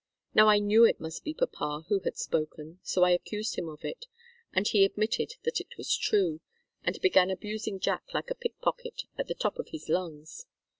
Now I knew it must be papa who had spoken, so I accused him of it, and he admitted that it was true, and began abusing Jack like a pick pocket, at the top of his lungs.